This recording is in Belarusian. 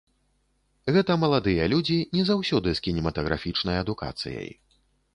Гэта маладыя людзі не заўсёды з кінематаграфічнай адукацыяй.